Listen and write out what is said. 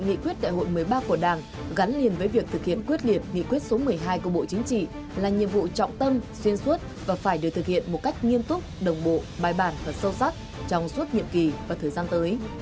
nghị quyết đại hội một mươi ba của đảng gắn liền với việc thực hiện quyết liệt nghị quyết số một mươi hai của bộ chính trị là nhiệm vụ trọng tâm xuyên suốt và phải được thực hiện một cách nghiêm túc đồng bộ bài bản và sâu sắc trong suốt nhiệm kỳ và thời gian tới